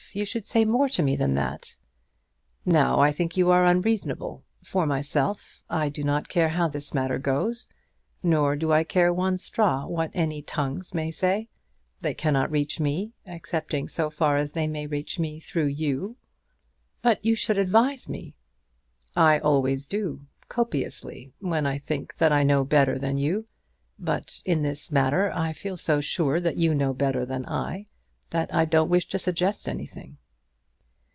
You should say more to me than that." "Now I think you are unreasonable. For myself, I do not care how this matter goes; nor do I care one straw what any tongues may say. They cannot reach me, excepting so far as they may reach me through you." "But you should advise me." "I always do, copiously, when I think that I know better than you; but in this matter I feel so sure that you know better than I, that I don't wish to suggest anything."